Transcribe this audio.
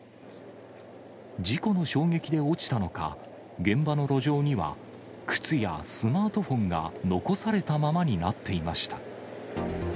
事故の衝撃で落ちたのか、現場の路上には靴やスマートフォンが残されたままになっていました。